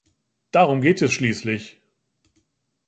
Darum geht es schließlich.